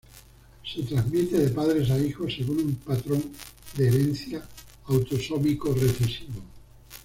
Se transmite de padres a hijos según un patrón de herencia autosómico recesivo.